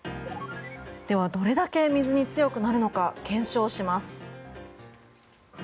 ではどれだけ水に強くなるのか検証します。